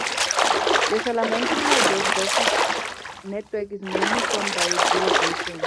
The Salamanca hydrographic network is mainly formed by the Duero basin.